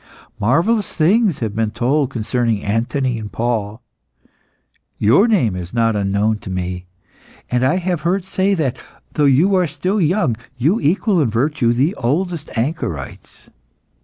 Marvellous things have been told concerning Anthony and Paul. Your name is not unknown to me, and I have heard say that, though you are still young, you equal in virtue the oldest anchorites.